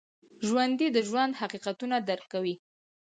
ژوندي د ژوند حقیقتونه درک کوي